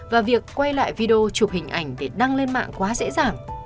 và việc quay lại video chụp hình ảnh để đăng lên mạng quá dễ dàng